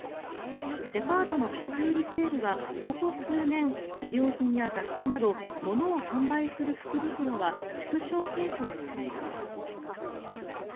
デパートの初売りセールはここ数年衣料品や雑貨など物を販売する福袋は縮小傾向にあります。